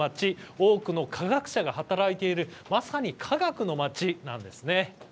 多くの科学車が働いているまさに科学の街なんです。